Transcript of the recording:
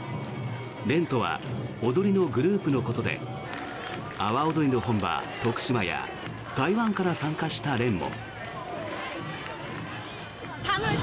連とは踊りのグループのことで阿波おどりの本場・徳島や台湾から参加した連も。